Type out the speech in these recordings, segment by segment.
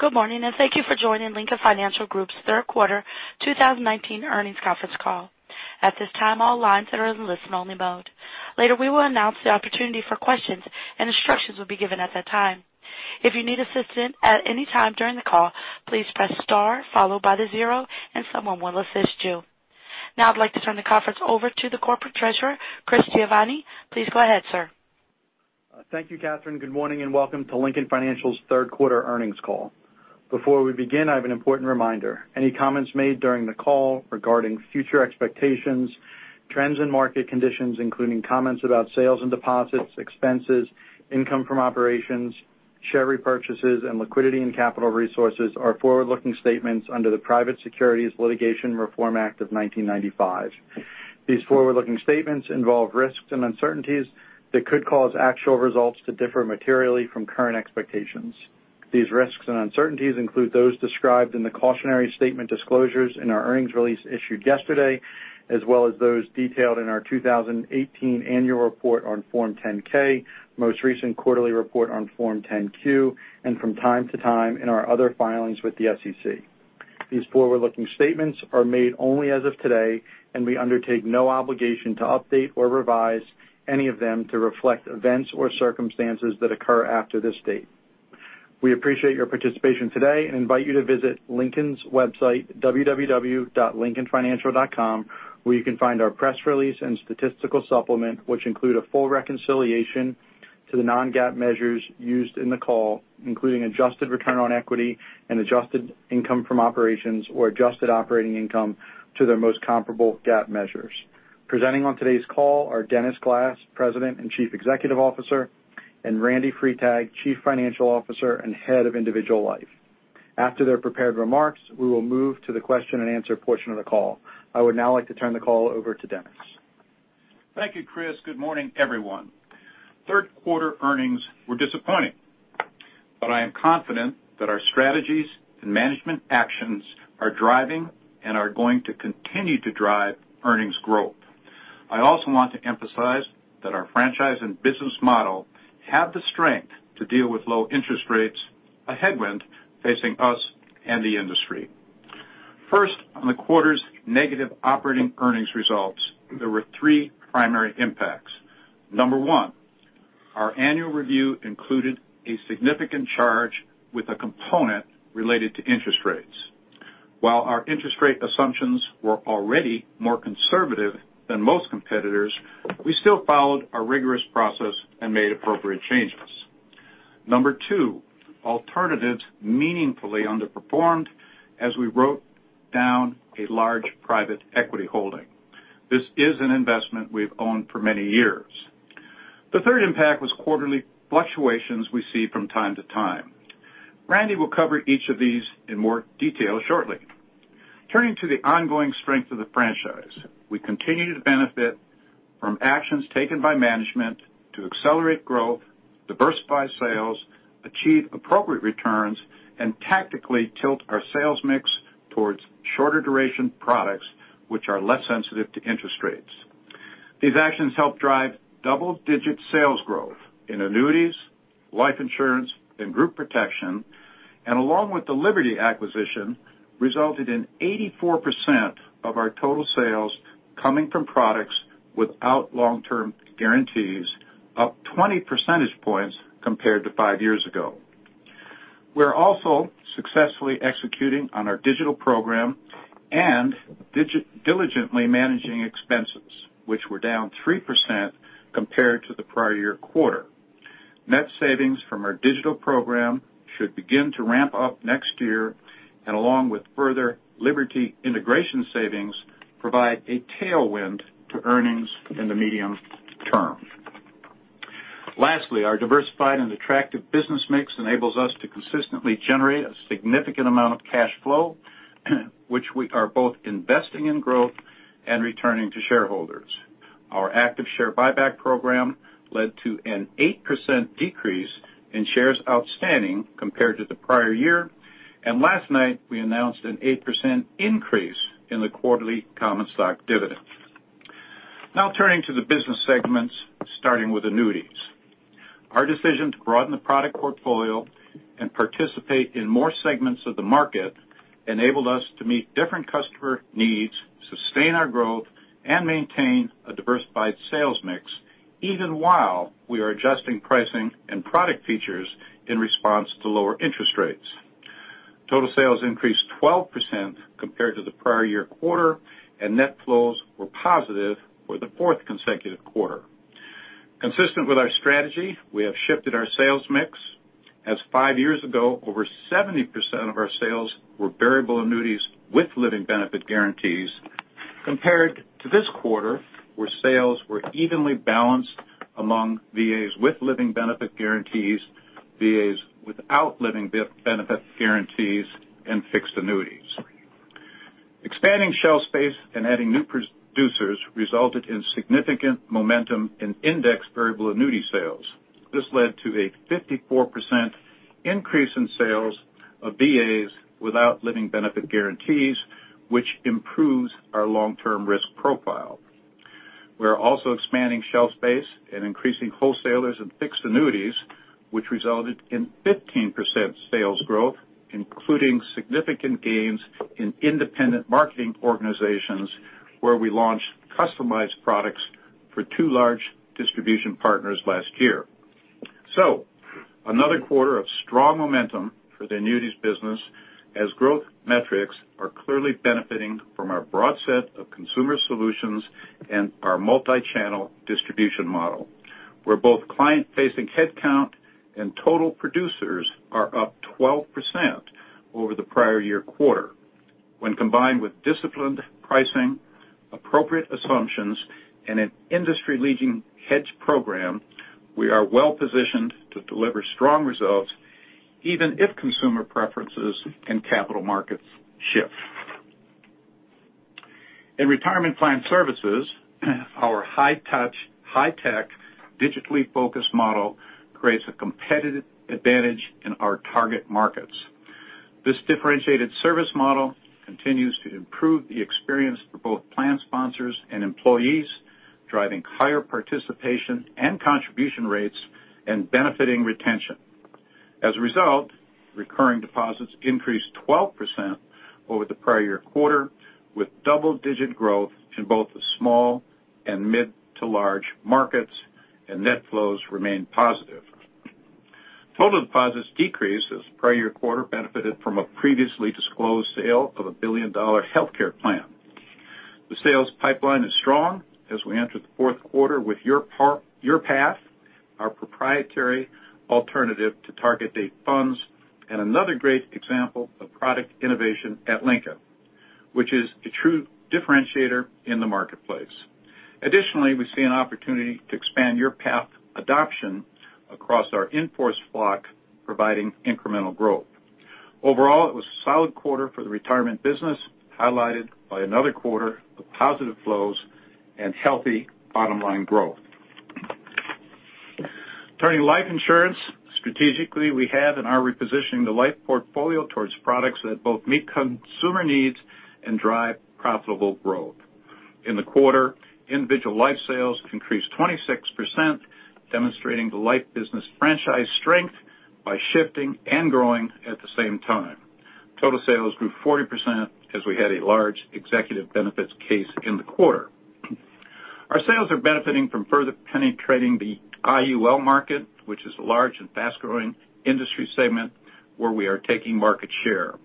Good morning, and thank you for joining Lincoln Financial Group's third quarter 2019 earnings conference call. At this time, all lines are in listen only mode. Later, we will announce the opportunity for questions, and instructions will be given at that time. If you need assistance at any time during the call, please press star followed by 0 and someone will assist you. Now I'd like to turn the conference over to the corporate treasurer, Chris Giovanni. Please go ahead, sir. Thank you, Catherine. Good morning and welcome to Lincoln Financial's third quarter earnings call. Before we begin, I have an important reminder. Any comments made during the call regarding future expectations, trends and market conditions, including comments about sales and deposits, expenses, income from operations, share repurchases, and liquidity and capital resources, are forward-looking statements under the Private Securities Litigation Reform Act of 1995. These forward-looking statements involve risks and uncertainties that could cause actual results to differ materially from current expectations. These risks and uncertainties include those described in the cautionary statement disclosures in our earnings release issued yesterday, as well as those detailed in our 2018 annual report on Form 10-K, most recent quarterly report on Form 10-Q, and from time to time in our other filings with the SEC. These forward-looking statements are made only as of today, and we undertake no obligation to update or revise any of them to reflect events or circumstances that occur after this date. We appreciate your participation today and invite you to visit Lincoln's website, www.lincolnfinancial.com, where you can find our press release and statistical supplement, which include a full reconciliation to the non-GAAP measures used in the call, including adjusted return on equity and adjusted income from operations or adjusted operating income to their most comparable GAAP measures. Presenting on today's call are Dennis Glass, President and Chief Executive Officer, and Randal Freitag, Chief Financial Officer and Head of Individual Life. After their prepared remarks, we will move to the question and answer portion of the call. I would now like to turn the call over to Dennis. Thank you, Chris. Good morning, everyone. Third quarter earnings were disappointing, but I am confident that our strategies and management actions are driving and are going to continue to drive earnings growth. I also want to emphasize that our franchise and business model have the strength to deal with low interest rates, a headwind facing us and the industry. First, on the quarter's negative operating earnings results, there were three primary impacts. Number 1, our annual review included a significant charge with a component related to interest rates. While our interest rate assumptions were already more conservative than most competitors, we still followed a rigorous process and made appropriate changes. Number 2, alternatives meaningfully underperformed as we wrote down a large private equity holding. This is an investment we've owned for many years. The third impact was quarterly fluctuations we see from time to time. Randy will cover each of these in more detail shortly. Turning to the ongoing strength of the franchise. We continue to benefit from actions taken by management to accelerate growth, diversify sales, achieve appropriate returns, and tactically tilt our sales mix towards shorter duration products which are less sensitive to interest rates. These actions help drive double-digit sales growth in annuities, life insurance, and group protection, and along with the Liberty acquisition, resulted in 84% of our total sales coming from products without long-term guarantees, up 20 percentage points compared to five years ago. We're also successfully executing on our digital program and diligently managing expenses, which were down 3% compared to the prior year quarter. Net savings from our digital program should begin to ramp up next year, and along with further Liberty integration savings, provide a tailwind to earnings in the medium term. Our diversified and attractive business mix enables us to consistently generate a significant amount of cash flow, which we are both investing in growth and returning to shareholders. Our active share buyback program led to an 8% decrease in shares outstanding compared to the prior year, and last night, we announced an 8% increase in the quarterly common stock dividend. Turning to the business segments, starting with annuities. Our decision to broaden the product portfolio and participate in more segments of the market enabled us to meet different customer needs, sustain our growth, and maintain a diversified sales mix even while we are adjusting pricing and product features in response to lower interest rates. Total sales increased 12% compared to the prior year quarter, and net flows were positive for the fourth consecutive quarter. Consistent with our strategy, we have shifted our sales mix as five years ago, over 70% of our sales were variable annuities with living benefit guarantees compared to this quarter, where sales were evenly balanced among VAs with living benefit guarantees, VAs without living benefit guarantees, and fixed annuities. Expanding shelf space and adding new producers resulted in significant momentum in index variable annuity sales. This led to a 54% increase in sales of VAs without living benefit guarantees, which improves our long-term risk profile. We're also expanding shelf space and increasing wholesalers in fixed annuities, which resulted in 15% sales growth, including significant gains in independent marketing organizations where we launched customized products for two large distribution partners last year. Another quarter of strong momentum for the annuities business as growth metrics are clearly benefiting from our broad set of consumer solutions and our multi-channel distribution model, where both client-facing headcount and total producers are up 12% over the prior year quarter. When combined with disciplined pricing, appropriate assumptions, and an industry-leading hedge program, we are well-positioned to deliver strong results even if consumer preferences and capital markets shift. In retirement plan services, our high touch, high tech, digitally focused model creates a competitive advantage in our target markets. This differentiated service model continues to improve the experience for both plan sponsors and employees, driving higher participation and contribution rates and benefiting retention. As a result, recurring deposits increased 12% over the prior year quarter, with double-digit growth in both the small and mid to large markets and net flows remained positive. Total deposits decreased as prior year quarter benefited from a previously disclosed sale of a billion-dollar healthcare plan. The sales pipeline is strong as we enter the fourth quarter with YourPath, our proprietary alternative to target date funds, and another great example of product innovation at Lincoln, which is a true differentiator in the marketplace. Additionally, we see an opportunity to expand YourPath adoption across our in-force block, providing incremental growth. Overall, it was a solid quarter for the retirement business, highlighted by another quarter of positive flows and healthy bottom-line growth. Turning to life insurance. Strategically, we have and are repositioning the life portfolio towards products that both meet consumer needs and drive profitable growth. In the quarter, individual life sales increased 26%, demonstrating the life business franchise strength by shifting and growing at the same time. Total sales grew 40% as we had a large executive benefits case in the quarter. Our sales are benefiting from further penetrating the IUL market, which is a large and fast-growing industry segment where we are taking market share.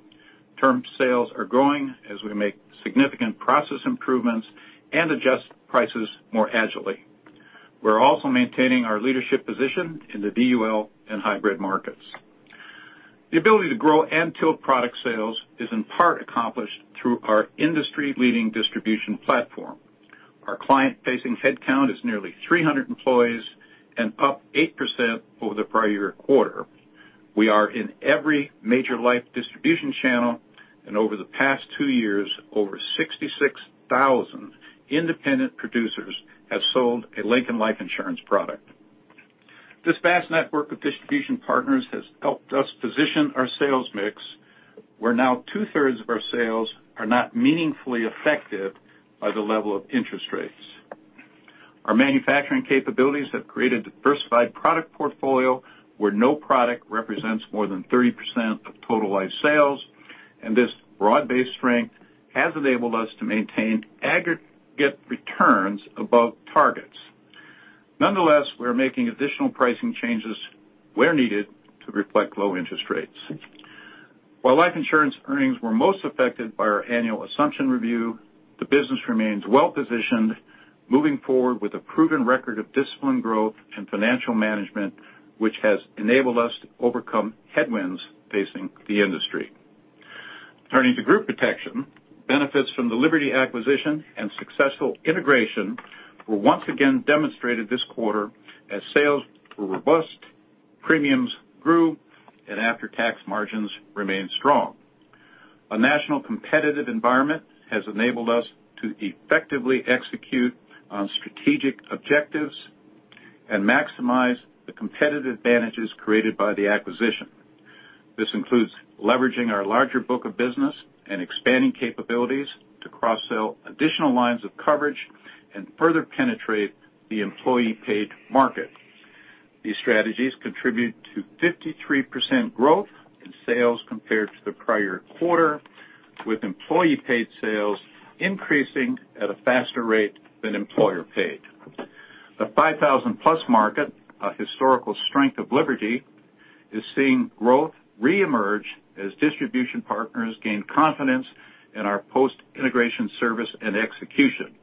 Term sales are growing as we make significant process improvements and adjust prices more agilely. We're also maintaining our leadership position in the VUL and hybrid markets. The ability to grow and tilt product sales is in part accomplished through our industry-leading distribution platform. Our client-facing headcount is nearly 300 employees and up 8% over the prior year quarter. We are in every major life distribution channel, and over the past two years, over 66,000 independent producers have sold a Lincoln Life Insurance product. This vast network of distribution partners has helped us position our sales mix, where now two-thirds of our sales are not meaningfully affected by the level of interest rates. Our manufacturing capabilities have created a diversified product portfolio where no product represents more than 30% of total life sales, and this broad-based strength has enabled us to maintain aggregate returns above targets. Nonetheless, we are making additional pricing changes where needed to reflect low interest rates. While life insurance earnings were most affected by our annual assumption review, the business remains well-positioned moving forward with a proven record of disciplined growth and financial management, which has enabled us to overcome headwinds facing the industry. Turning to group protection. Benefits from the Liberty acquisition and successful integration were once again demonstrated this quarter as sales were robust, premiums grew, and after-tax margins remained strong. A national competitive environment has enabled us to effectively execute on strategic objectives and maximize the competitive advantages created by the acquisition. This includes leveraging our larger book of business and expanding capabilities to cross-sell additional lines of coverage and further penetrate the employee paid market. These strategies contribute to 53% growth in sales compared to the prior quarter, with employee paid sales increasing at a faster rate than employer paid. The 5,000-plus market, a historical strength of Liberty, is seeing growth reemerge as distribution partners gain confidence in our post-integration service and execution.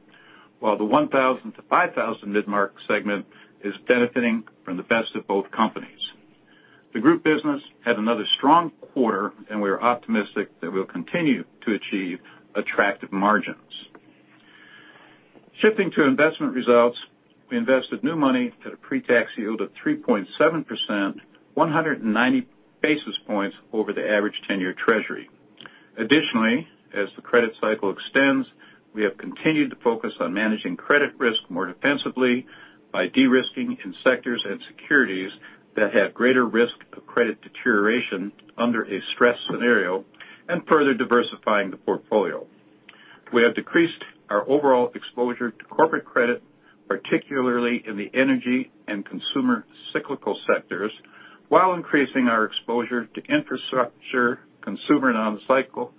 While the 1,000 to 5,000 mid-market segment is benefiting from the best of both companies. The group business had another strong quarter, and we are optimistic that we'll continue to achieve attractive margins. Shifting to investment results, we invested new money at a pre-tax yield of 3.7%, 190 basis points over the average 10-year treasury. Additionally, as the credit cycle extends, we have continued to focus on managing credit risk more defensively by de-risking in sectors and securities that have greater risk of credit deterioration under a stress scenario. Further diversifying the portfolio. We have decreased our overall exposure to corporate credit, particularly in the energy and consumer cyclical sectors, while increasing our exposure to infrastructure, consumer non-cyclical,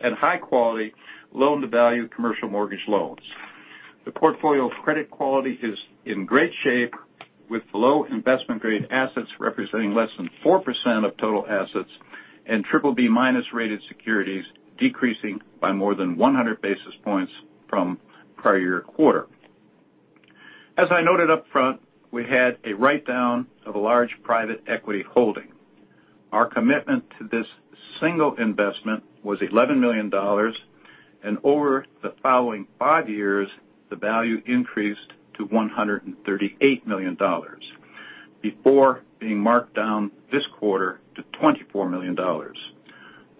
and high-quality loan-to-value commercial mortgage loans. The portfolio credit quality is in great shape, with low investment-grade assets representing less than 4% of total assets and triple B minus rated securities decreasing by more than 100 basis points from prior year quarter. As I noted up front, we had a write-down of a large private equity holding. Our commitment to this single investment was $11 million, and over the following five years, the value increased to $138 million before being marked down this quarter to $24 million.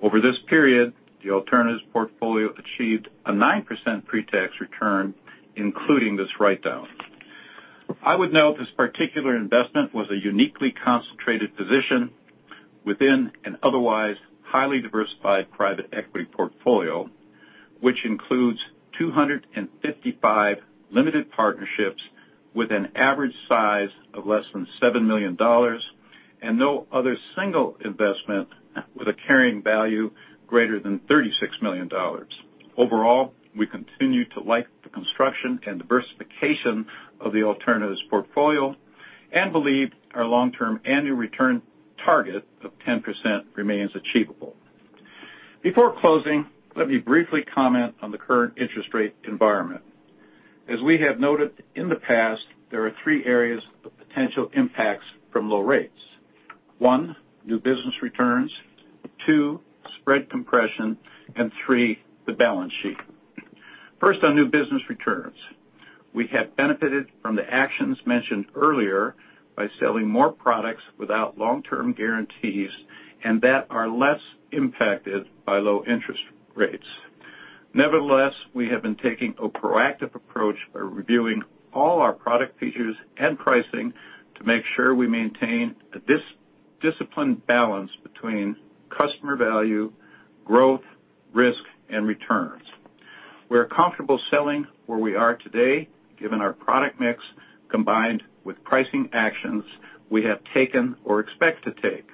Over this period, the alternatives portfolio achieved a 9% pre-tax return, including this write-down. I would note this particular investment was a uniquely concentrated position within an otherwise highly diversified private equity portfolio, which includes 255 limited partnerships with an average size of less than $7 million and no other single investment with a carrying value greater than $36 million. Overall, we continue to like the construction and diversification of the alternatives portfolio and believe our long-term annual return target of 10% remains achievable. Before closing, let me briefly comment on the current interest rate environment. As we have noted in the past, there are three areas of potential impacts from low rates. One, new business returns. Two, spread compression, and three, the balance sheet. First, on new business returns. We have benefited from the actions mentioned earlier by selling more products without long-term guarantees and that are less impacted by low interest rates. Nevertheless, we have been taking a proactive approach by reviewing all our product features and pricing to make sure we maintain a disciplined balance between customer value, growth, risk, and returns. We're comfortable selling where we are today, given our product mix, combined with pricing actions we have taken or expect to take.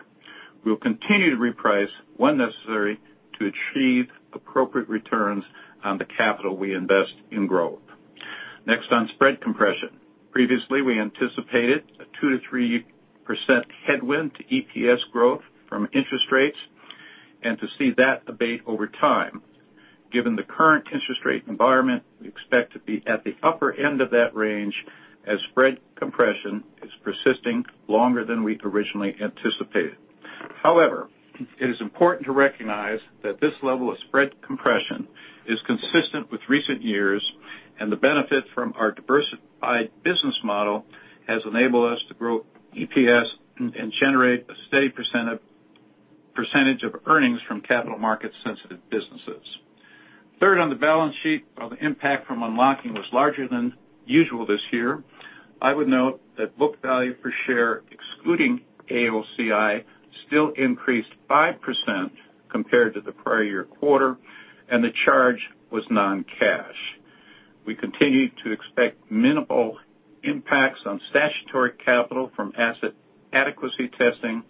We'll continue to reprice when necessary to achieve appropriate returns on the capital we invest in growth. Next, on spread compression. Previously, we anticipated a 2%-3% headwind to EPS growth from interest rates, and to see that abate over time. Given the current interest rate environment, we expect to be at the upper end of that range as spread compression is persisting longer than we originally anticipated. However, it is important to recognize that this level of spread compression is consistent with recent years, and the benefit from our diversified business model has enabled us to grow EPS and generate a steady percentage of earnings from capital market-sensitive businesses. Third, on the balance sheet. While the impact from unlocking was larger than usual this year, I would note that book value per share, excluding AOCI, still increased 5% compared to the prior year quarter, and the charge was non-cash. We continue to expect minimal impacts on statutory capital from asset adequacy testing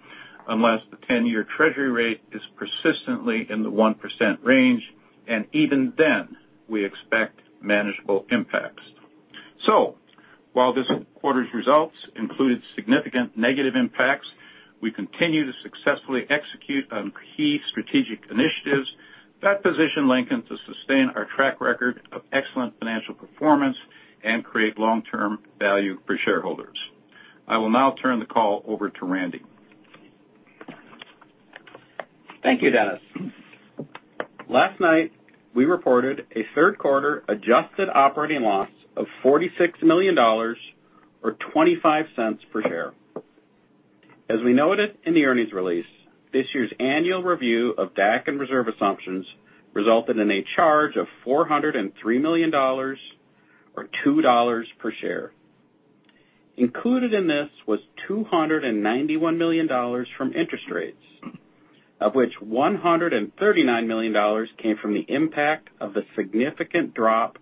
unless the 10-year Treasury rate is persistently in the 1% range, and even then, we expect manageable impacts. While this quarter's results included significant negative impacts, we continue to successfully execute on key strategic initiatives that position Lincoln to sustain our track record of excellent financial performance and create long-term value for shareholders. I will now turn the call over to Randy. Thank you, Dennis. Last night, we reported a third quarter adjusted operating loss of $46 million or $0.25 per share. As we noted in the earnings release, this year's annual review of DAC and reserve assumptions resulted in a charge of $403 million or $2 per share. Included in this was $291 million from interest rates, of which $139 million came from the impact of the significant drop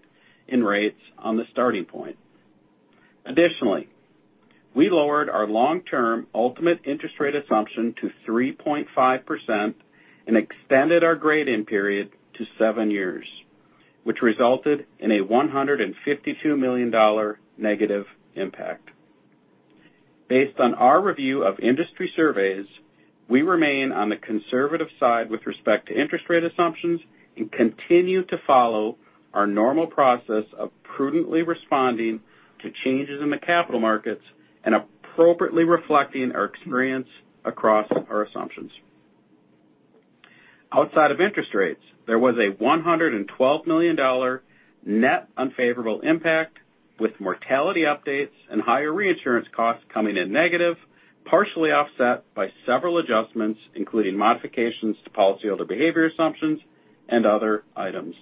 in rates on the starting point. Additionally, we lowered our long-term ultimate interest rate assumption to 3.5% and extended our grade-in period to seven years, which resulted in a $152 million negative impact. Based on our review of industry surveys, we remain on the conservative side with respect to interest rate assumptions and continue to follow our normal process of prudently responding to changes in the capital markets and appropriately reflecting our experience across our assumptions. Outside of interest rates, there was a $112 million net unfavorable impact, with mortality updates and higher reinsurance costs coming in negative, partially offset by several adjustments, including modifications to policyholder behavior assumptions and other items.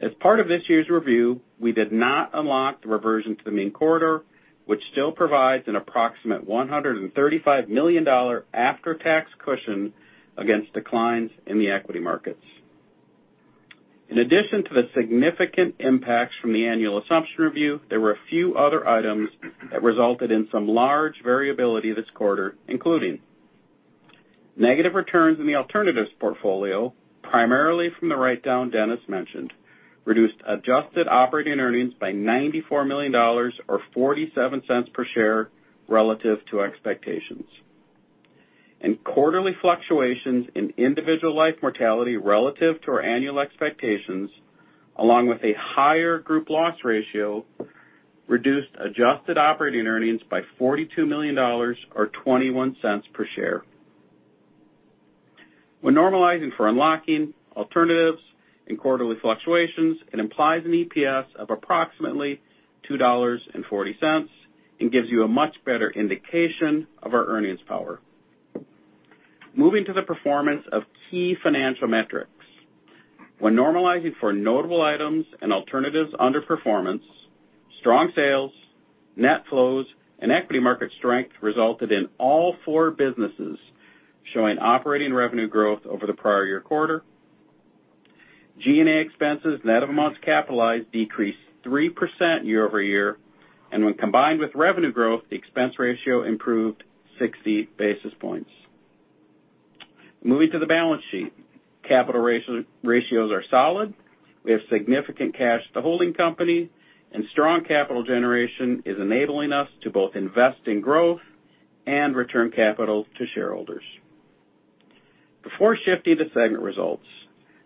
As part of this year's review, we did not unlock the reversion to the mean corridor, which still provides an approximate $135 million after-tax cushion against declines in the equity markets. In addition to the significant impacts from the annual assumption review, there were a few other items that resulted in some large variability this quarter, including negative returns in the alternatives portfolio, primarily from the write-down Dennis mentioned, reduced adjusted operating earnings by $94 million or $0.47 per share relative to expectations. Quarterly fluctuations in individual life mortality relative to our annual expectations, along with a higher group loss ratio, reduced adjusted operating earnings by $42 million or $0.21 per share. When normalizing for unlocking alternatives in quarterly fluctuations, it implies an EPS of approximately $2.40 and gives you a much better indication of our earnings power. Moving to the performance of key financial metrics. When normalizing for notable items and alternatives under performance, strong sales, net flows, and equity market strength resulted in all four businesses showing operating revenue growth over the prior year quarter. G&A expenses, net of amounts capitalized, decreased 3% year-over-year, and when combined with revenue growth, the expense ratio improved 60 basis points. Moving to the balance sheet. Capital ratios are solid. We have significant cash at the holding company, strong capital generation is enabling us to both invest in growth and return capital to shareholders. Before shifting to segment results,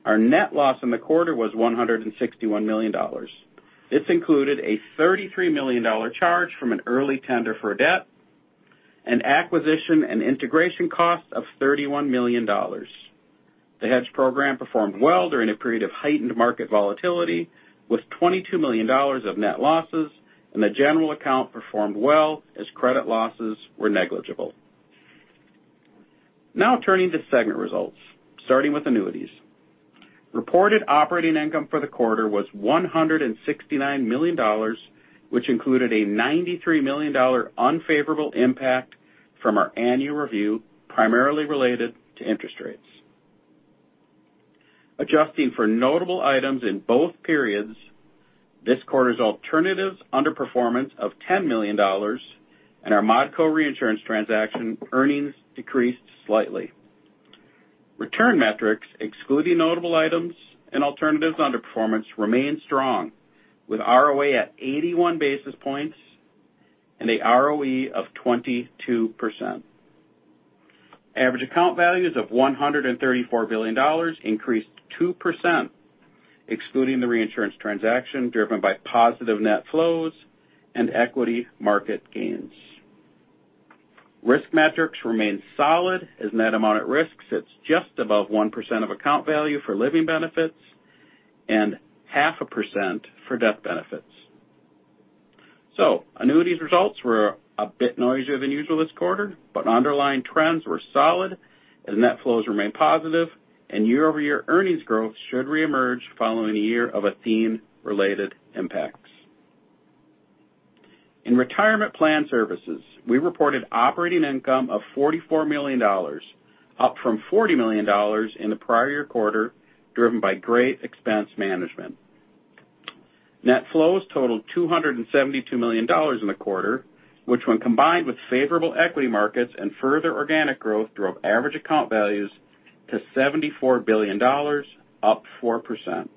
our net loss in the quarter was $161 million. This included a $33 million charge from an early tender for a debt, an acquisition and integration cost of $31 million. The hedge program performed well during a period of heightened market volatility with $22 million of net losses, and the general account performed well as credit losses were negligible. Turning to segment results, starting with annuities. Reported operating income for the quarter was $169 million, which included a $93 million unfavorable impact from our annual review, primarily related to interest rates. Adjusting for notable items in both periods, this quarter's alternatives underperformance of $10 million and our ModCo reinsurance transaction, earnings decreased slightly. Return metrics, excluding notable items and alternatives underperformance, remain strong, with ROA at 81 basis points and a ROE of 22%. Average account values of $134 billion increased 2%, excluding the reinsurance transaction, driven by positive net flows and equity market gains. Risk metrics remain solid as net amount at risk sits just above 1% of account value for living benefits and half a percent for death benefits. Annuities results were a bit noisier than usual this quarter, but underlying trends were solid as net flows remain positive and year-over-year earnings growth should reemerge following a year of Athene related impacts. In retirement plan services, we reported operating income of $44 million, up from $40 million in the prior year quarter, driven by great expense management. Net flows totaled $272 million in the quarter, which when combined with favorable equity markets and further organic growth, drove average account values to $74 billion, up 4%.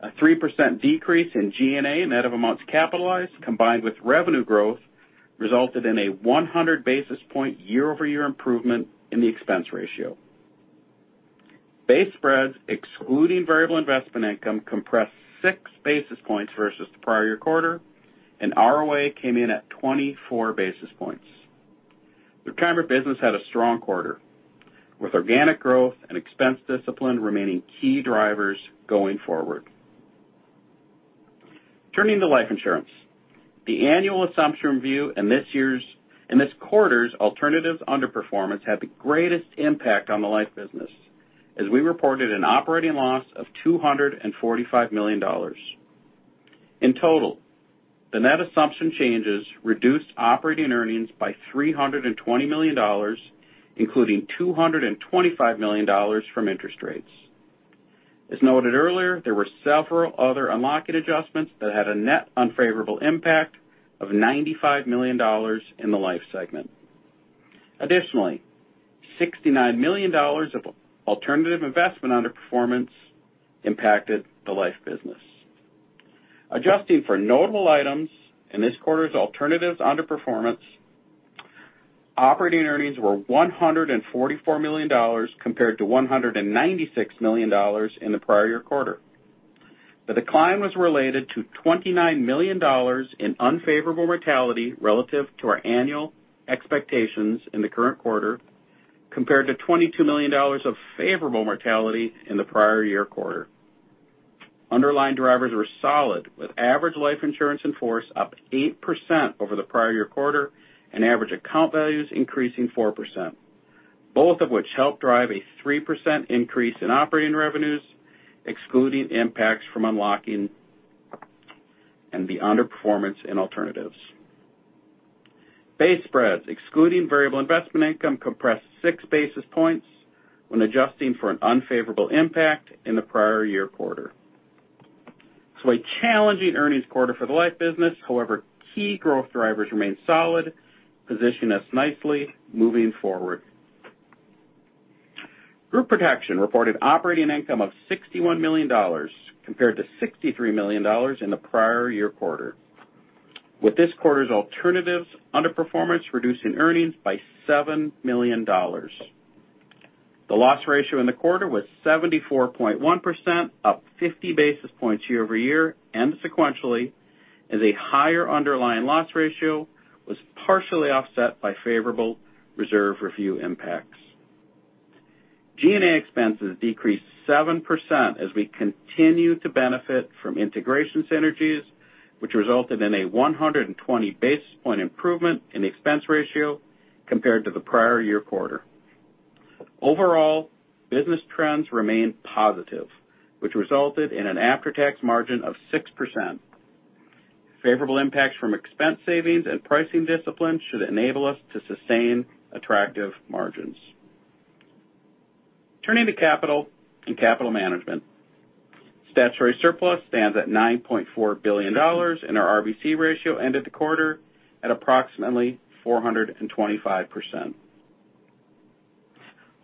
A 3% decrease in G&A net of amounts capitalized, combined with revenue growth, resulted in a 100 basis point year-over-year improvement in the expense ratio. Base spreads, excluding variable investment income, compressed six basis points versus the prior year quarter, ROA came in at 24 basis points. Retirement business had a strong quarter, with organic growth and expense discipline remaining key drivers going forward. Turning to life insurance. The annual assumption review in this quarter's alternatives underperformance had the greatest impact on the life business, as we reported an operating loss of $245 million. In total, the net assumption changes reduced operating earnings by $320 million, including $225 million from interest rates. As noted earlier, there were several other unlocking adjustments that had a net unfavorable impact of $95 million in the life segment. Additionally, $69 million of alternative investment underperformance impacted the life business. Adjusting for notable items in this quarter's alternatives underperformance, operating earnings were $144 million compared to $196 million in the prior year quarter. The decline was related to $29 million in unfavorable mortality relative to our annual expectations in the current quarter, compared to $22 million of favorable mortality in the prior year quarter. Underlying drivers were solid, with average life insurance in force up 8% over the prior year quarter and average account values increasing 4%. Both of which helped drive a 3% increase in operating revenues, excluding impacts from unlocking and the underperformance in alternatives. Base spreads, excluding variable investment income, compressed 6 basis points when adjusting for an unfavorable impact in the prior year quarter. A challenging earnings quarter for the life business. Key growth drivers remain solid, position us nicely moving forward. Group protection reported operating income of $61 million compared to $63 million in the prior year quarter, with this quarter's alternatives underperformance reducing earnings by $7 million. The loss ratio in the quarter was 74.1%, up 50 basis points year-over-year and sequentially, as a higher underlying loss ratio was partially offset by favorable reserve review impacts. G&A expenses decreased 7% as we continue to benefit from integration synergies, which resulted in a 120 basis point improvement in the expense ratio compared to the prior year quarter. Overall, business trends remained positive, which resulted in an after-tax margin of 6%. Favorable impacts from expense savings and pricing discipline should enable us to sustain attractive margins. Turning to capital and capital management. Statutory surplus stands at $9.4 billion, and our RBC ratio ended the quarter at approximately 425%.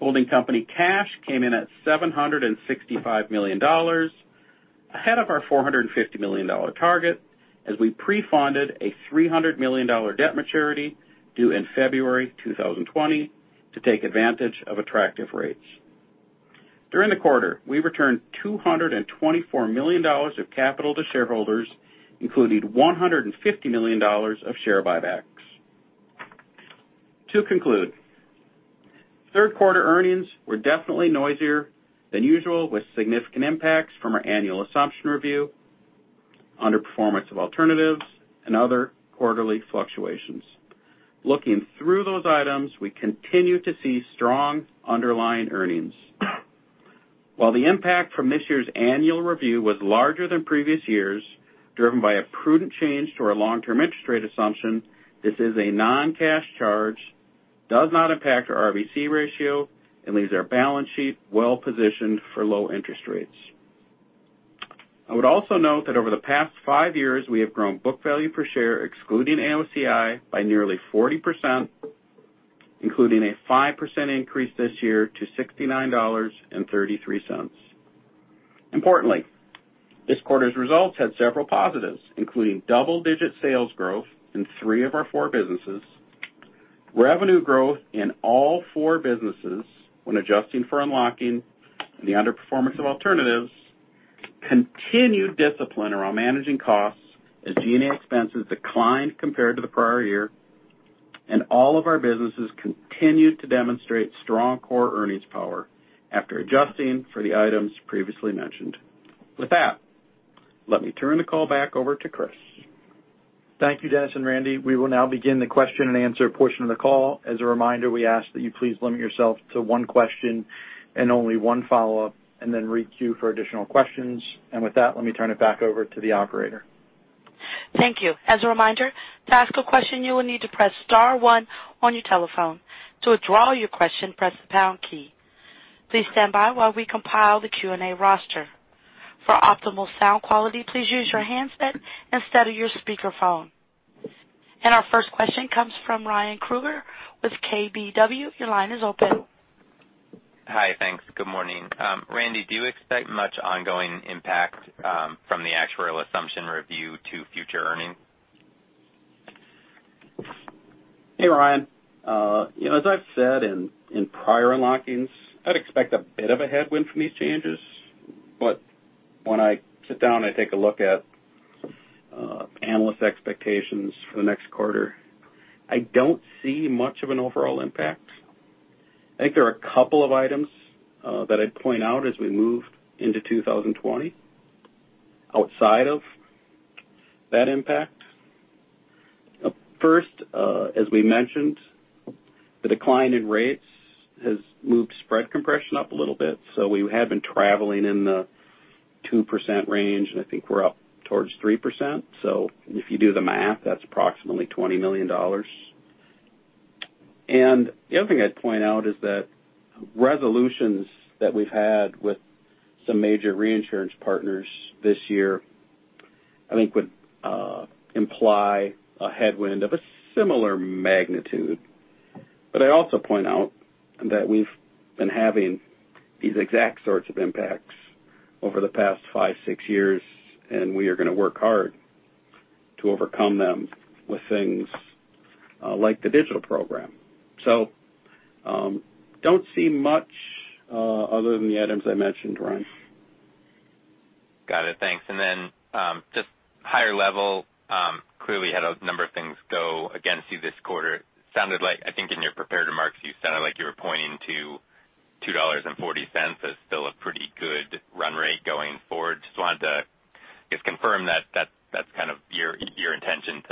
Holding company cash came in at $765 million, ahead of our $450 million target, as we pre-funded a $300 million debt maturity due in February 2020 to take advantage of attractive rates. During the quarter, we returned $224 million of capital to shareholders, including $150 million of share buybacks. To conclude, third quarter earnings were definitely noisier than usual, with significant impacts from our annual assumption review, underperformance of alternatives, and other quarterly fluctuations. Looking through those items, we continue to see strong underlying earnings. While the impact from this year's annual review was larger than previous years, driven by a prudent change to our long-term interest rate assumption, this is a non-cash charge, does not impact our RBC ratio, and leaves our balance sheet well-positioned for low interest rates. I would also note that over the past five years, we have grown book value per share, excluding AOCI, by nearly 40%, including a 5% increase this year to $69.33. Importantly, this quarter's results had several positives, including double-digit sales growth in three of our four businesses, revenue growth in all four businesses when adjusting for unlocking and the underperformance of alternatives, continued discipline around managing costs as G&A expenses declined compared to the prior year, and all of our businesses continued to demonstrate strong core earnings power after adjusting for the items previously mentioned. With that, let me turn the call back over to Chris. Thank you, Dennis and Randy. We will now begin the question and answer portion of the call. As a reminder, we ask that you please limit yourself to one question and only one follow-up, then re-queue for additional questions. With that, let me turn it back over to the operator. Thank you. As a reminder, to ask a question, you will need to press *1 on your telephone. To withdraw your question, press the # key. Please stand by while we compile the Q&A roster. For optimal sound quality, please use your handset instead of your speakerphone. Our first question comes from Ryan Krueger with KBW. Your line is open. Hi. Thanks. Good morning. Randy, do you expect much ongoing impact from the actuarial assumption review to future earnings? Hey, Ryan. As I've said in prior unlockings, I'd expect a bit of a headwind from these changes, when I sit down and take a look at analyst expectations for the next quarter, I don't see much of an overall impact. I think there are a couple of items that I'd point out as we move into 2020 outside of that impact. First, as we mentioned, the decline in rates has moved spread compression up a little bit. We have been traveling in the 2% range, and I think we're up towards 3%. If you do the math, that's approximately $20 million. The other thing I'd point out is that resolutions that we've had with some major reinsurance partners this year, I think would imply a headwind of a similar magnitude. I'd also point out that we've been having these exact sorts of impacts over the past five, six years, and we are going to work hard to overcome them with things like the digital program. Don't see much other than the items I mentioned, Ryan. Got it. Thanks. Just higher level, clearly you had a number of things go against you this quarter. I think in your prepared remarks, you sounded like you were pointing to $2.40 as still a pretty good run rate going forward. Just wanted to just confirm that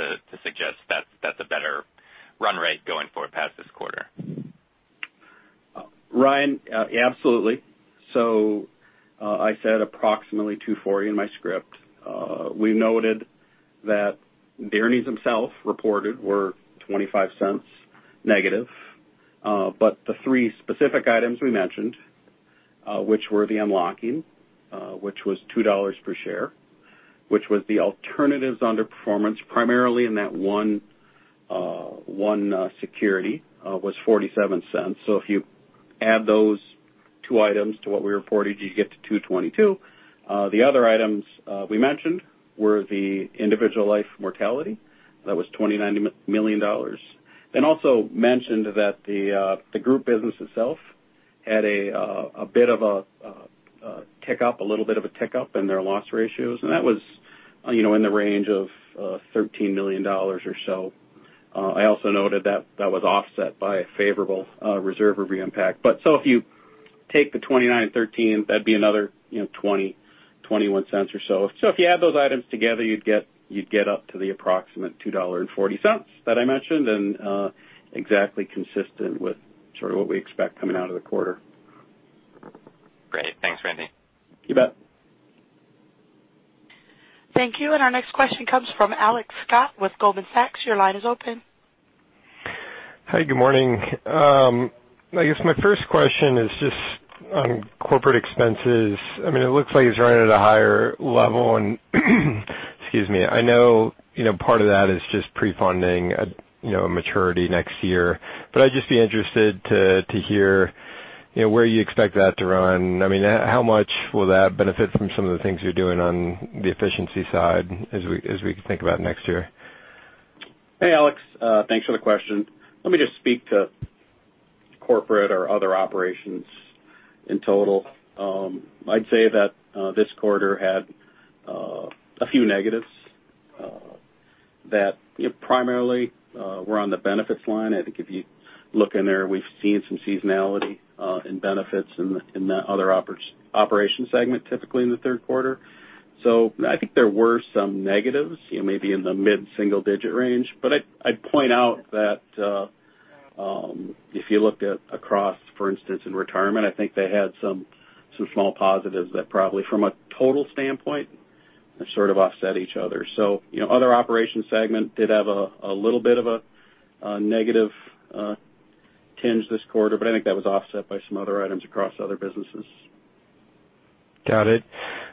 to suggest that's a better run rate going forward past this quarter. Ryan, absolutely. I said approximately $2.40 in my script. We noted that the earnings themselves reported were $0.25 negative. The three specific items we mentioned, which were the unlocking, which was $2 per share, which was the alternatives underperformance, primarily in that one security, was $0.47. If you add those two items to what we reported, you get to $2.22. The other items we mentioned were the Individual Life mortality. That was $29 million. Also mentioned that the Group Benefits business itself had a bit of a tick up, a little bit of a tick up in their loss ratios. And that was in the range of $13 million or so. I also noted that was offset by a favorable reserve impact. If you take the 29.13, that'd be another $0.20, $0.21 or so. If you add those items together, you'd get up to the approximate $2.40 that I mentioned and exactly consistent with sort of what we expect coming out of the quarter. Great. Thanks, Randy. You bet. Thank you. Our next question comes from Alex Scott with Goldman Sachs. Your line is open. Hi, good morning. I guess my first question is just on corporate expenses. It looks like it's running at a higher level and excuse me. I know part of that is just pre-funding a maturity next year. I'd just be interested to hear where you expect that to run. How much will that benefit from some of the things you're doing on the efficiency side as we think about next year? Hey, Alex. Thanks for the question. Let me just speak to corporate or other operations in total. I'd say that this quarter had a few negatives that primarily were on the benefits line. I think if you look in there, we've seen some seasonality in benefits in the other operations segment, typically in the third quarter. I think there were some negatives, maybe in the mid-single-digit range. I'd point out that if you looked at across, for instance, in retirement, I think they had some small positives that probably from a total standpoint have sort of offset each other. Other operations segment did have a little bit of a negative tinge this quarter, but I think that was offset by some other items across other businesses. Got it.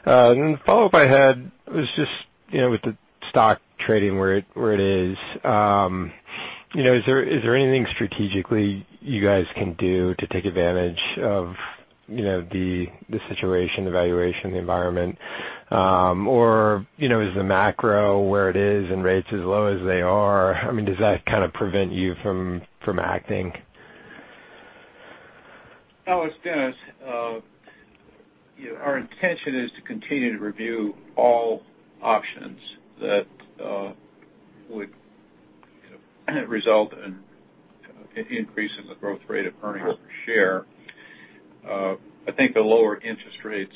The follow-up I had was just with the stock trading where it is. Is there anything strategically you guys can do to take advantage of the situation, the valuation, the environment? Is the macro where it is and rates as low as they are, does that kind of prevent you from acting? Alex, Dennis. Our intention is to continue to review all options that would result in an increase in the growth rate of earnings per share. I think the lower interest rates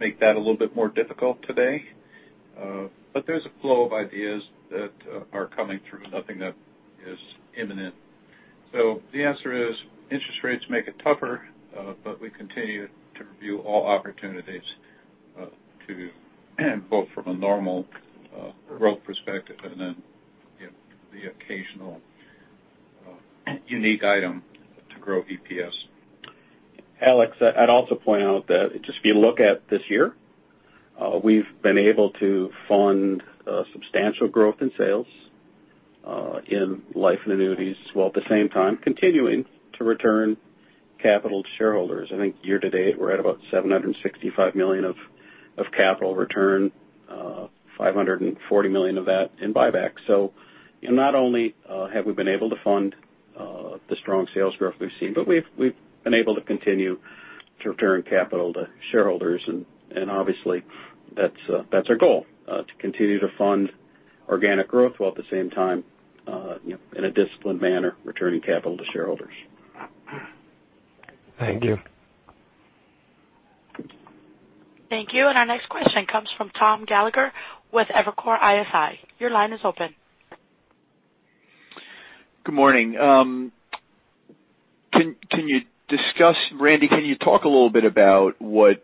make that a little bit more difficult today. There's a flow of ideas that are coming through. Nothing that is imminent. The answer is interest rates make it tougher, but we continue to review all opportunities both from a normal growth perspective and then the occasional unique item to grow EPS. Alex, I'd also point out that just if you look at this year, we've been able to fund substantial growth in sales in life and annuities, while at the same time continuing to return capital to shareholders. I think year to date, we're at about $765 million of capital return, $540 million of that in buybacks. Not only have we been able to fund the strong sales growth we've seen, but we've been able to continue to return capital to shareholders. Obviously that's our goal, to continue to fund organic growth while at the same time, in a disciplined manner, returning capital to shareholders. Thank you. Thank you. Our next question comes from Thomas Gallagher with Evercore ISI. Your line is open. Good morning. Randy, can you talk a little bit about what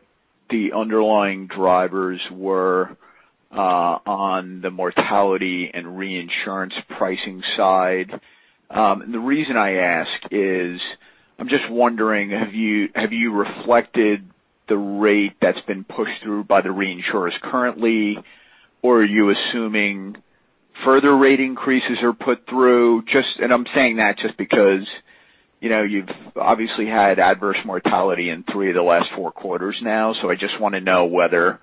the underlying drivers were on the mortality and reinsurance pricing side? The reason I ask is I'm just wondering, have you reflected the rate that's been pushed through by the reinsurers currently, or are you assuming further rate increases are put through? I'm saying that just because you've obviously had adverse mortality in three of the last four quarters now. I just want to know whether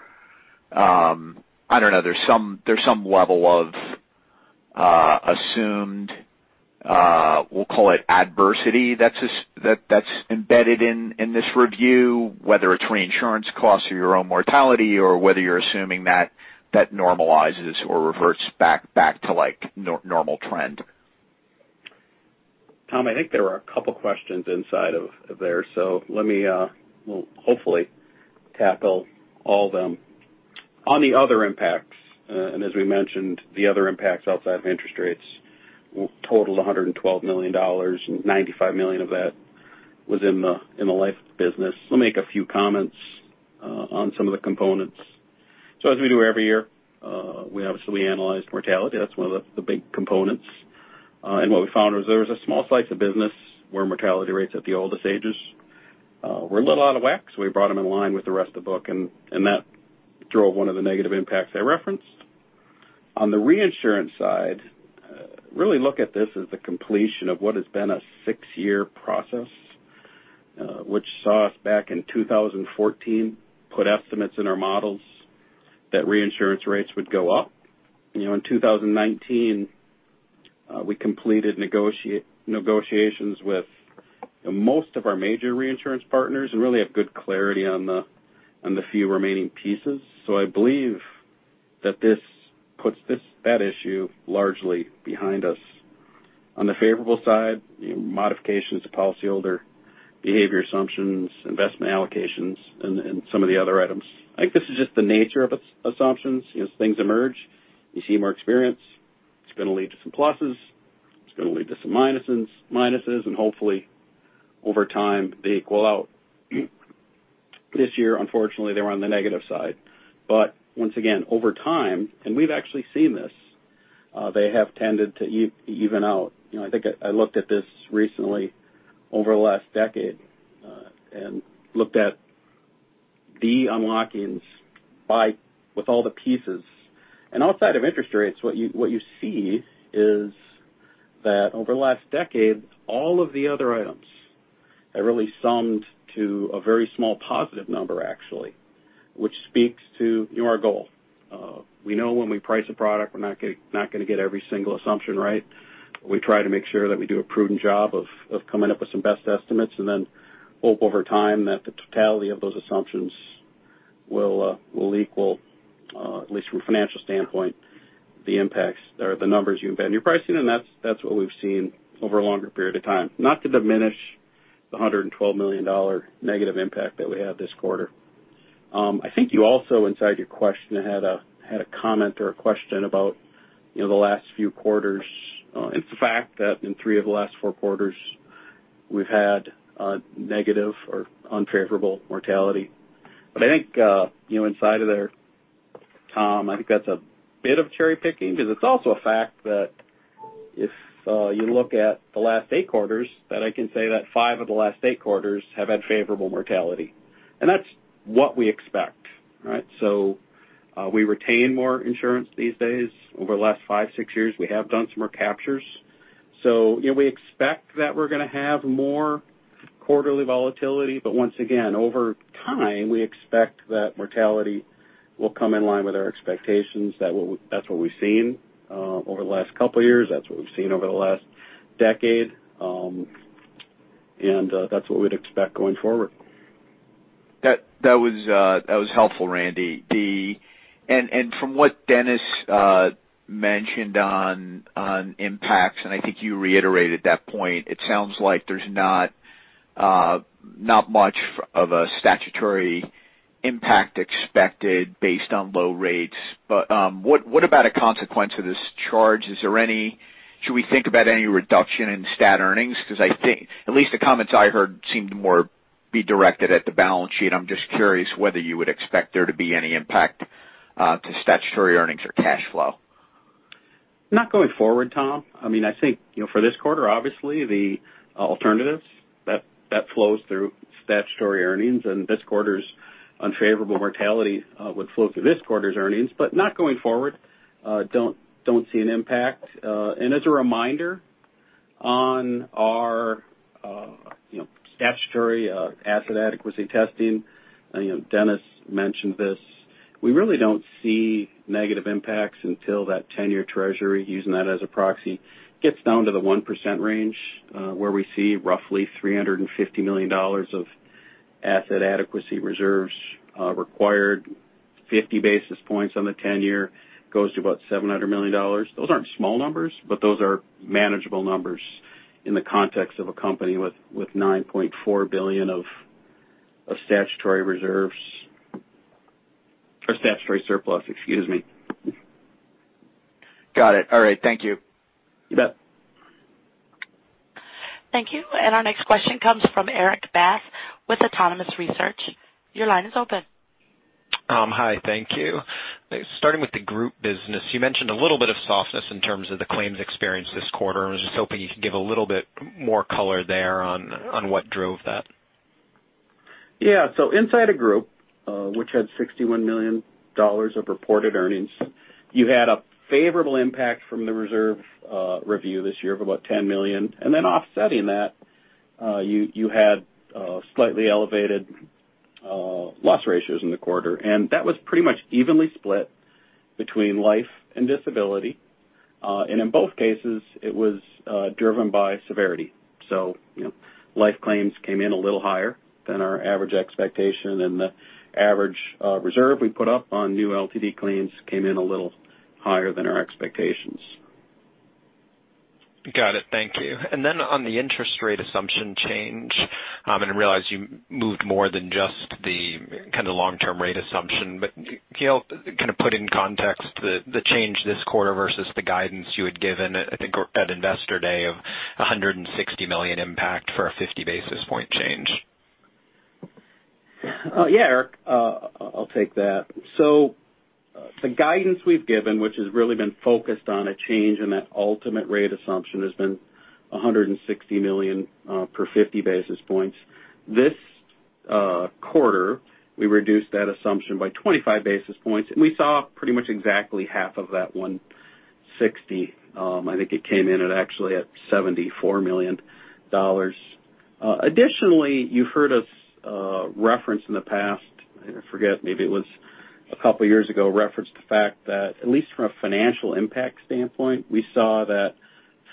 there's some level of assumed, we'll call it adversity, that's embedded in this review, whether it's reinsurance costs or your own mortality or whether you're assuming that normalizes or reverts back to normal trend. Tom, I think there were a couple questions inside of there, so let me, we'll hopefully tackle all of them. On the other impacts, as we mentioned, the other impacts outside of interest rates total $112 million, $95 million of that was in the Life business. Let me make a few comments on some of the components. As we do every year, we obviously analyzed mortality. That's one of the big components. What we found was there was a small slice of business where mortality rates at the oldest ages were a little out of whack, so we brought them in line with the rest of the book, and that drove one of the negative impacts I referenced. On the reinsurance side, really look at this as the completion of what has been a six-year process, which saw us back in 2014, put estimates in our models that reinsurance rates would go up. In 2019, we completed negotiations with most of our major reinsurance partners and really have good clarity on the few remaining pieces. I believe that this puts that issue largely behind us. On the favorable side, modifications to policyholder behavior assumptions, investment allocations, and some of the other items. I think this is just the nature of assumptions. As things emerge, you see more experience. It's going to lead to some pluses. It's going to lead to some minuses, and hopefully over time they equal out. This year, unfortunately, they were on the negative side. Once again, over time, and we've actually seen this, they have tended to even out. I think I looked at this recently over the last decade, and looked at the unlockings by with all the pieces. Outside of interest rates, what you see is that over the last decade, all of the other items have really summed to a very small positive number actually, which speaks to our goal. We know when we price a product, we're not going to get every single assumption right. We try to make sure that we do a prudent job of coming up with some best estimates, and then hope over time that the totality of those assumptions will equal, at least from a financial standpoint, the impacts or the numbers you embed in your pricing, and that's what we've seen over a longer period of time. Not to diminish the $112 million negative impact that we had this quarter. I think you also, inside your question, had a comment or a question about the last few quarters. It's a fact that in three of the last four quarters, we've had a negative or unfavorable mortality. I think inside of there, Tom, I think that's a bit of cherry-picking because it's also a fact that if you look at the last eight quarters, that I can say that five of the last eight quarters have had favorable mortality. That's what we expect, right? We retain more insurance these days. Over the last five, six years, we have done some recaptures. We expect that we're going to have more quarterly volatility, but once again, over time, we expect that mortality will come in line with our expectations. That's what we've seen over the last couple of years. That's what we've seen over the last decade. That's what we'd expect going forward. From what Dennis mentioned on impacts, I think you reiterated that point, it sounds like there's not much of a statutory impact expected based on low rates. What about a consequence of this charge? Should we think about any reduction in stat earnings? Because at least the comments I heard seemed more be directed at the balance sheet. I'm just curious whether you would expect there to be any impact to statutory earnings or cash flow. Not going forward, Tom. For this quarter, obviously, the alternatives that flows through statutory earnings and this quarter's unfavorable mortality would flow through this quarter's earnings, but not going forward. Don't see an impact. As a reminder on our statutory asset adequacy testing, Dennis mentioned this, we really don't see negative impacts until that 10-year treasury, using that as a proxy, gets down to the 1% range, where we see roughly $350 million of asset adequacy reserves required 50 basis points on the 10-year goes to about $700 million. Those aren't small numbers, but those are manageable numbers in the context of a company with $9.4 billion of statutory reserves or statutory surplus, excuse me. Got it. All right. Thank you. You bet. Thank you. Our next question comes from Erik Bass with Autonomous Research. Your line is open. Hi, thank you. Starting with the Group business, you mentioned a little bit of softness in terms of the claims experience this quarter. I was just hoping you could give a little bit more color there on what drove that. Yeah. Inside of Group, which had $61 million of reported earnings, you had a favorable impact from the reserve review this year of about $10 million. Offsetting that, you had slightly elevated loss ratios in the quarter, and that was pretty much evenly split between life and disability. In both cases, it was driven by severity. Life claims came in a little higher than our average expectation, and the average reserve we put up on new LTD claims came in a little higher than our expectations. Got it. Thank you. On the interest rate assumption change, and I realize you moved more than just the long-term rate assumption, but can you put in context the change this quarter versus the guidance you had given, I think at Investor Day of $160 million impact for a 50 basis point change? Erik, I'll take that. The guidance we've given, which has really been focused on a change in that ultimate rate assumption, has been $160 million per 50 basis points. This quarter, we reduced that assumption by 25 basis points, we saw pretty much exactly half of that $160. I think it came in actually at $74 million. Additionally, you've heard us reference in the past, I forget, maybe it was a couple of years ago, reference the fact that at least from a financial impact standpoint, we saw that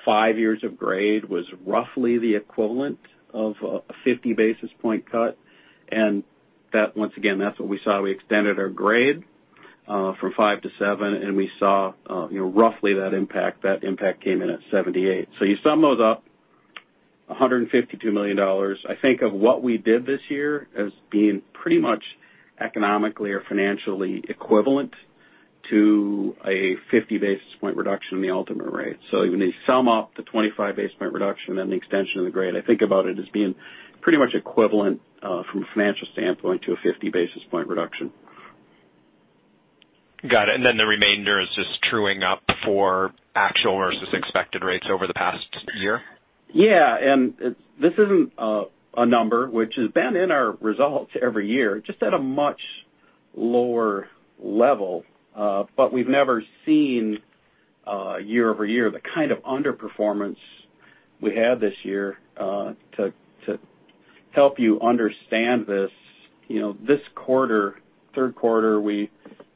five years of grade was roughly the equivalent of a 50 basis point cut. Once again, that's what we saw. We extended our grade from five to seven, we saw roughly that impact. That impact came in at $78 million. You sum those up, $152 million. I think of what we did this year as being pretty much economically or financially equivalent to a 50 basis point reduction in the ultimate rate. When you sum up the 25 basis point reduction, then the extension of the grade, I think about it as being pretty much equivalent, from a financial standpoint, to a 50 basis point reduction. Got it. The remainder is just truing up for actual versus expected rates over the past year? This isn't a number which has been in our results every year, just at a much lower level. We've never seen year-over-year the kind of underperformance we had this year. To help you understand this quarter, third quarter, we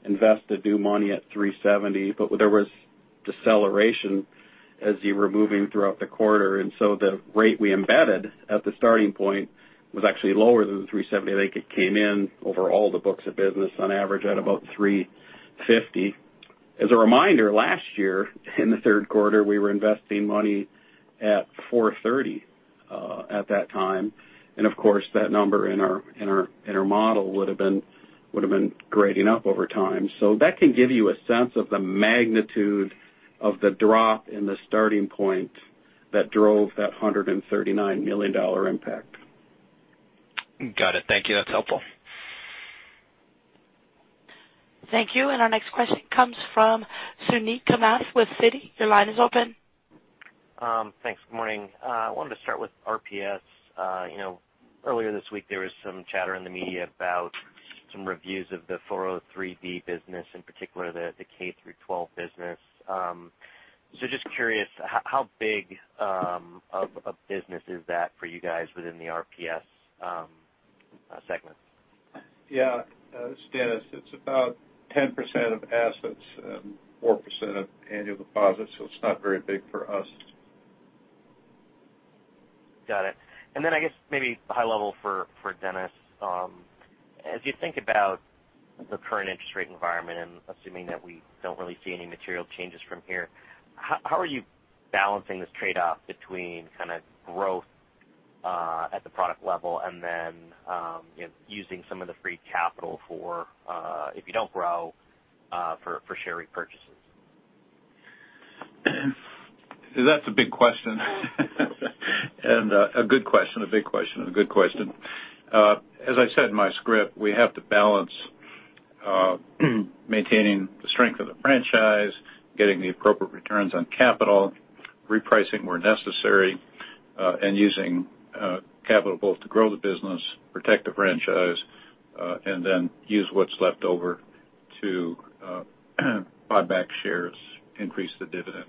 invested new money at 370, there was deceleration as you were moving throughout the quarter, the rate we embedded at the starting point was actually lower than the 370. I think it came in over all the books of business on average at about 350. As a reminder, last year in the third quarter, we were investing money at 430 at that time. Of course, that number in our model would've been grading up over time. That can give you a sense of the magnitude of the drop in the starting point that drove that $139 million impact. Got it. Thank you. That's helpful. Thank you. Our next question comes from Suneet Kamath with Citi. Your line is open. Thanks. Good morning. I wanted to start with RPS. Earlier this week, there was some chatter in the media about some reviews of the 403 business, in particular the K through 12 business. Just curious, how big of a business is that for you guys within the RPS segment? Yeah. This is Dennis. It's about 10% of assets and 4% of annual deposits, it's not very big for us. Got it. I guess maybe high level for Dennis. As you think about the current interest rate environment and assuming that we don't really see any material changes from here, how are you balancing this trade-off between kind of growth at the product level and then using some of the free capital for if you don't grow for share repurchases? That's a big question. A good question. A big question and a good question. As I said in my script, we have to balance maintaining the strength of the franchise, getting the appropriate returns on capital, repricing where necessary, and using capital both to grow the business, protect the franchise, and then use what's left over to buy back shares, increase the dividend.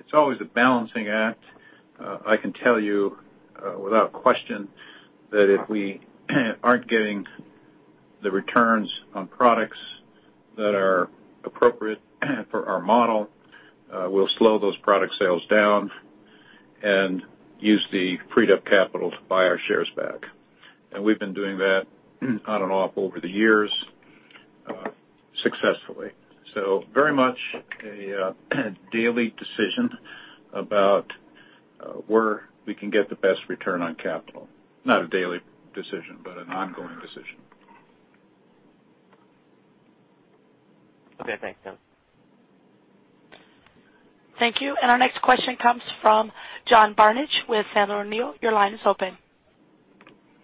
It's always a balancing act. I can tell you without question that if we aren't getting the returns on products that are appropriate for our model, we'll slow those product sales down and use the freed-up capital to buy our shares back. We've been doing that on and off over the years successfully. Very much a daily decision about where we can get the best return on capital. Not a daily decision, but an ongoing decision. Okay. Thanks, Dennis. Thank you. Our next question comes from John Barnidge with Sandler O'Neill. Your line is open.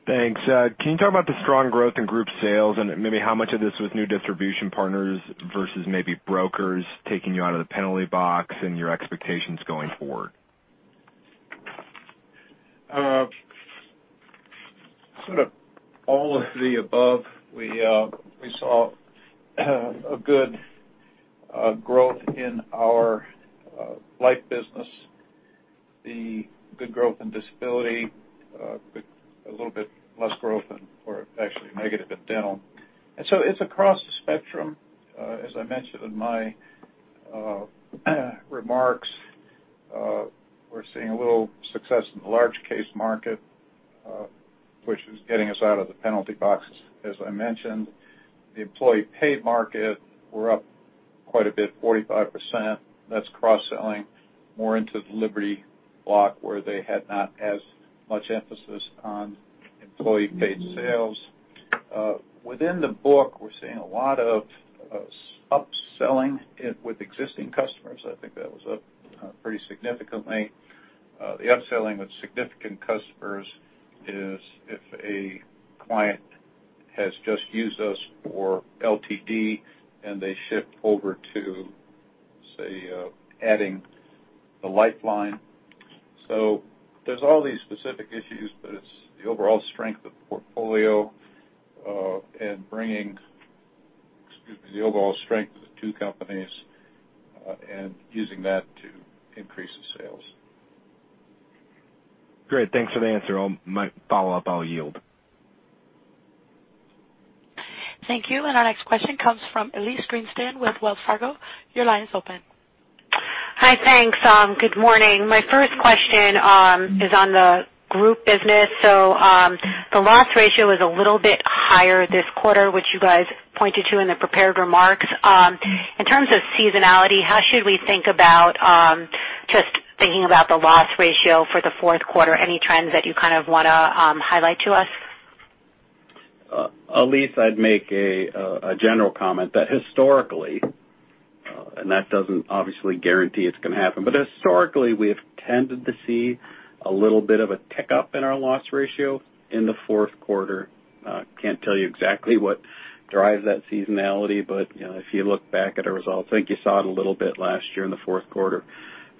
Thanks. Can you talk about the strong growth in group sales and maybe how much of this was new distribution partners versus maybe brokers taking you out of the penalty box and your expectations going forward? Sort of all of the above. We saw a good growth in our life business, the good growth and disability, a little bit less growth in or actually negative in dental. It's across the spectrum, as I mentioned in my remarks. We're seeing a little success in the large case market, which is getting us out of the penalty box, as I mentioned. The employee paid market, we're up quite a bit, 45%. That's cross-selling more into the Liberty block, where they had not as much emphasis on employee paid sales. Within the book, we're seeing a lot of upselling with existing customers. I think that was up pretty significantly. The upselling with significant customers is if a client has just used us for LTD and they shift over to, say, adding the lifeline. There's all these specific issues, but it's the overall strength of the portfolio, the overall strength of the two companies, and using that to increase the sales. Great. Thanks for the answer. On my follow-up, I'll yield. Thank you. Our next question comes from Elyse Greenspan with Wells Fargo. Your line is open. Hi, thanks. Good morning. My first question is on the group business. The loss ratio is a little bit higher this quarter, which you guys pointed to in the prepared remarks. In terms of seasonality, how should we think about just thinking about the loss ratio for the fourth quarter? Any trends that you kind of want to highlight to us? Elyse, I'd make a general comment, that historically, and that doesn't obviously guarantee it's going to happen, but historically, we have tended to see a little bit of a tick up in our loss ratio in the fourth quarter. Can't tell you exactly what drives that seasonality, but if you look back at our results, I think you saw it a little bit last year in the fourth quarter,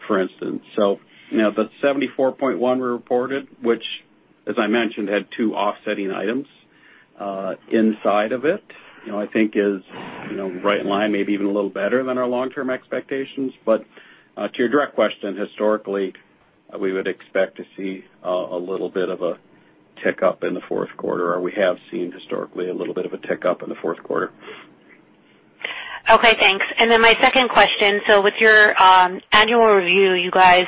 for instance. The 74.1 we reported, which, as I mentioned, had two offsetting items inside of it, I think is right in line, maybe even a little better than our long-term expectations. To your direct question, historically, we would expect to see a little bit of a tick up in the fourth quarter, or we have seen historically a little bit of a tick up in the fourth quarter. Okay, thanks. My second question, with your annual review, you guys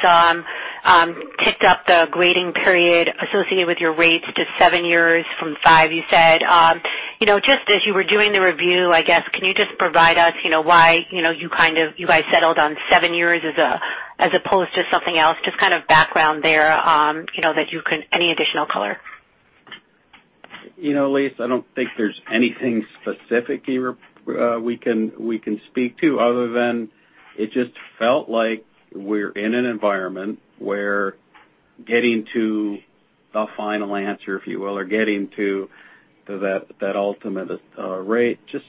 ticked up the grading period associated with your rates to seven years from five, you said. Just as you were doing the review, I guess, can you just provide us, why you guys settled on seven years as opposed to something else? Just kind of background there, any additional color? Elyse, I don't think there's anything specific we can speak to other than it just felt like we're in an environment where getting to the final answer, if you will, or getting to that ultimate rate just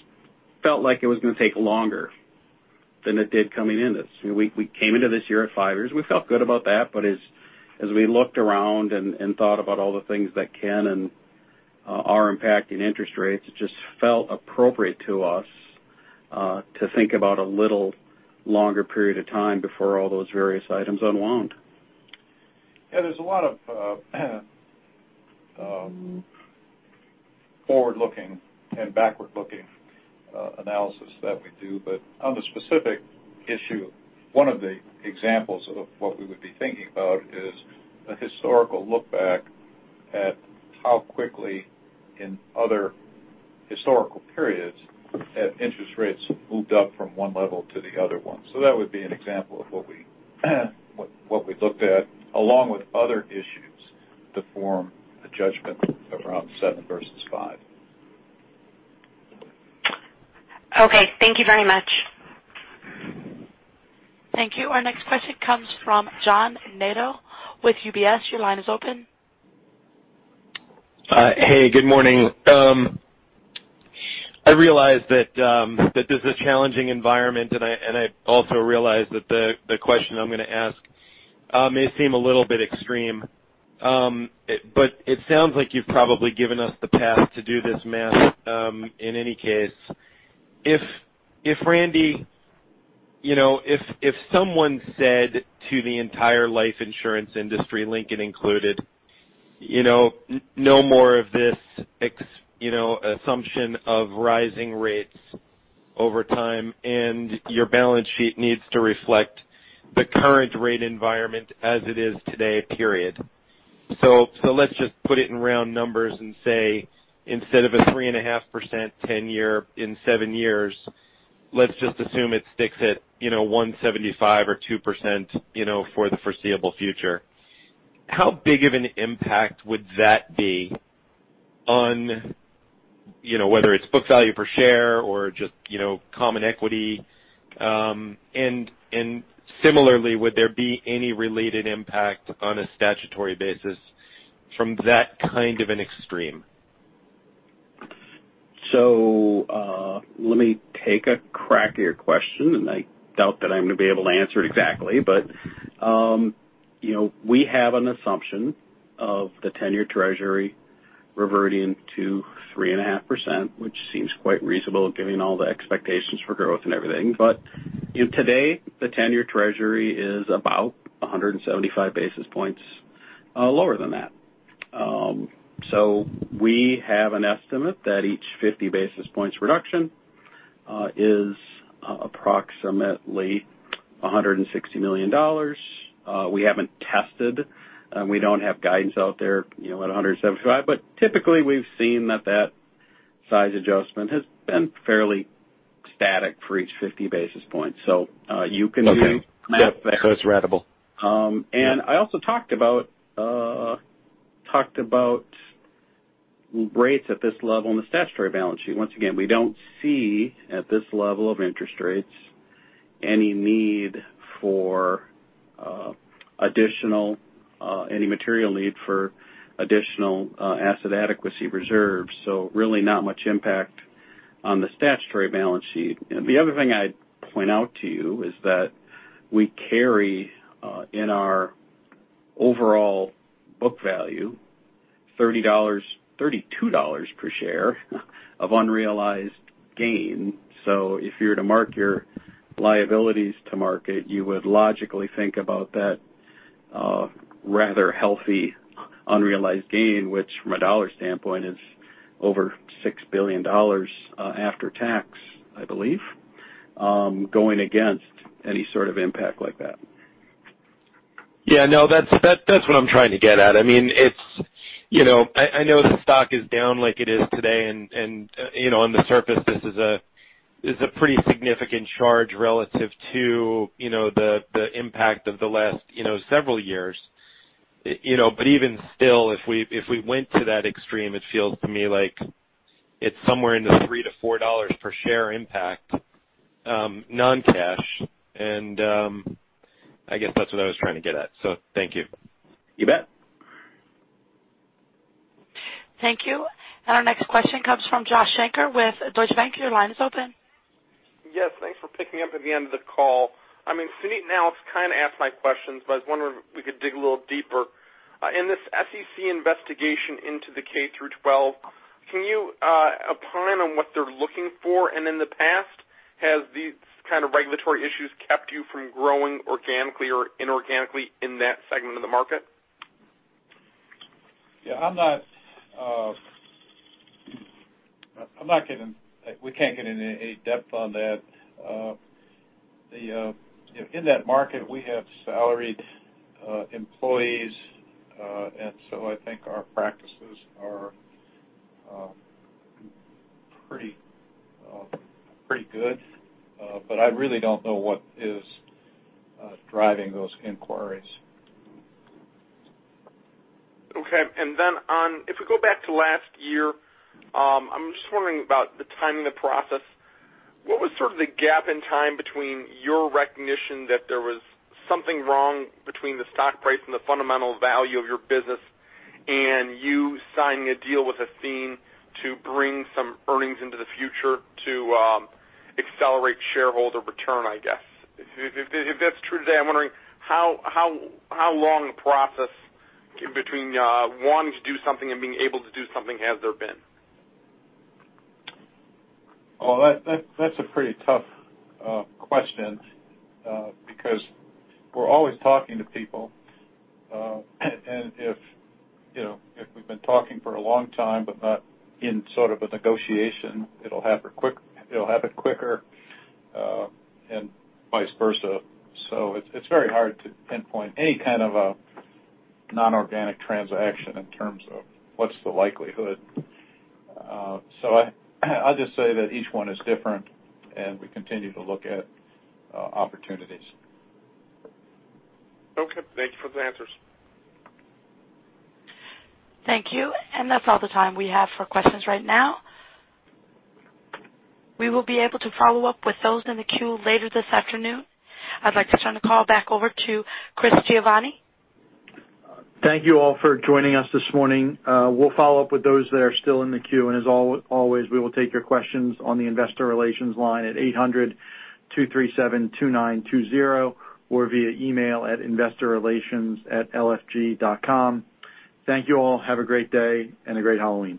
felt like it was going to take longer than it did coming in. We came into this year at five years. We felt good about that. As we looked around and thought about all the things that can and are impacting interest rates, it just felt appropriate to us to think about a little longer period of time before all those various items unwound. Yeah, there's a lot of forward-looking and backward-looking analysis that we do. On the specific issue, one of the examples of what we would be thinking about is a historical look back at how quickly in other historical periods have interest rates moved up from one level to the other one. That would be an example of what we looked at, along with other issues, to form a judgment around seven versus five. Okay. Thank you very much. Thank you. Our next question comes from John Nadel with UBS. Your line is open. Hey, good morning. I realize that this is a challenging environment, and I also realize that the question I'm going to ask may seem a little bit extreme. It sounds like you've probably given us the path to do this math in any case. If, Randy, someone said to the entire life insurance industry, Lincoln included, "No more of this assumption of rising rates over time, and your balance sheet needs to reflect the current rate environment as it is today, period." Let's just put it in round numbers and say, instead of a 3.5% 10-year in 7 years, let's just assume it sticks at 1.75% or 2% for the foreseeable future. How big of an impact would that be on whether it's book value per share or just common equity? Similarly, would there be any related impact on a statutory basis from that kind of an extreme? Let me take a crack at your question, and I doubt that I'm going to be able to answer it exactly. We have an assumption of the 10-year Treasury reverting to 3.5%, which seems quite reasonable given all the expectations for growth and everything. Today, the 10-year Treasury is about 175 basis points lower than that. We have an estimate that each 50 basis points reduction is approximately $160 million. We haven't tested, and we don't have guidance out there at 175. Typically, we've seen that that size adjustment has been fairly static for each 50 basis points. You can do- Okay. Yep. The math there. It's ratable. I also talked about rates at this level on the statutory balance sheet. Once again, we don't see, at this level of interest rates, any material need for additional asset adequacy reserves. Really not much impact on the statutory balance sheet. The other thing I'd point out to you is that we carry, in our overall book value, $32 per share of unrealized gain. If you were to mark your liabilities to market, you would logically think about that rather healthy, unrealized gain, which, from a dollar standpoint, is over $6 billion after tax, I believe, going against any sort of impact like that. Yeah, no, that's what I'm trying to get at. I know the stock is down like it is today, on the surface, this is a pretty significant charge relative to the impact of the last several years. Even still, if we went to that extreme, it feels to me like it's somewhere in the $3-$4 per share impact, non-cash. I guess that's what I was trying to get at. Thank you. You bet. Thank you. Our next question comes from Joshua Shanker with Deutsche Bank. Your line is open. Yes, thanks for picking me up at the end of the call. Suneet now has kind of asked my questions, but I was wondering if we could dig a little deeper. In this SEC investigation into the K through 12, can you opine on what they're looking for? In the past, has these kind of regulatory issues kept you from growing organically or inorganically in that segment of the market? Yeah. We can't get into any depth on that. In that market, we have salaried employees, and so I think our practices are pretty good. I really don't know what is driving those inquiries. Okay. Then if we go back to last year, I'm just wondering about the timing of the process. What was sort of the gap in time between your recognition that there was something wrong between the stock price and the fundamental value of your business and you signing a deal with Athene to bring some earnings into the future to accelerate shareholder return, I guess? If that's true today, I'm wondering how long a process between wanting to do something and being able to do something has there been? Oh, that's a pretty tough question, because we're always talking to people. If we've been talking for a long time, but not in sort of a negotiation, it'll happen quicker, and vice versa. It's very hard to pinpoint any kind of a non-organic transaction in terms of what's the likelihood. I'll just say that each one is different, and we continue to look at opportunities. Okay. Thank you for the answers. Thank you. That's all the time we have for questions right now. We will be able to follow up with those in the queue later this afternoon. I'd like to turn the call back over to Chris Giovanni. Thank you all for joining us this morning. We'll follow up with those that are still in the queue. As always, we will take your questions on the investor relations line at 800-237-2920 or via email at investorrelations@lfg.com. Thank you all. Have a great day and a great Halloween.